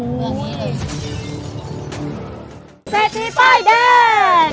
เศรฐีป้ายแดง